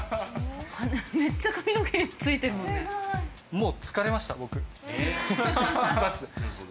もう疲れました僕。